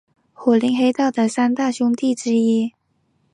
武林黑道的三大凶地之一。